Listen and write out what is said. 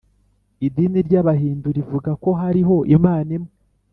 idini ry’abahindu rivuga ko hariho imana imwe